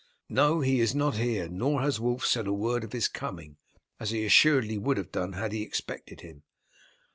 "No, he is not here; nor has Wulf said a word of his coming, as he assuredly would have done had he expected him."